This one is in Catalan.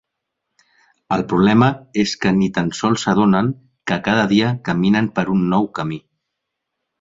El problema és que ni tan sols s'adonen que cada dia caminen per un nou camí.